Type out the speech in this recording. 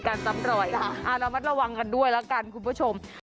ซ้ำรอยระมัดระวังกันด้วยแล้วกันคุณผู้ชม